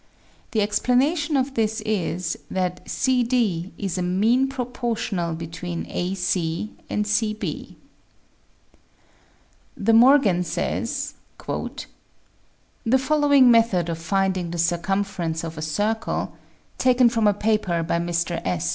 The explanation of this is that CD is a mean proportional between AC and CB. De Morgan says : "The following method of finding the circumference of a circle (taken from a paper by Mr. S.